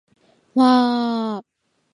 わーーーーーーーー